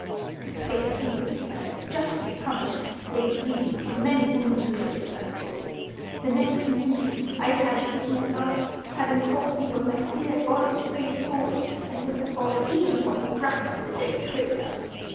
The traitor whom the Cæsar had justly punished lay bleeding from many wounds close to thy foot. The next moment I had thee in my arms, having caught thee when thy dear body swayed forward and would have fallen even upon the breast of the dead traitor."